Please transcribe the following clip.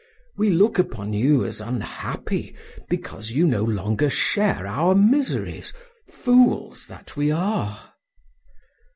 We look upon you as unhappy because you no longer share our miseries, fools that we are!...